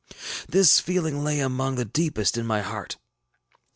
This feeling lay among the deepest in my heart.